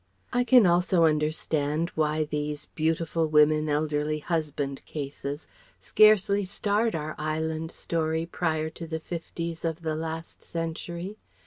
I can also understand why these beautiful women elderly husband cases scarcely starred our Island story prior to the 'fifties of the last century.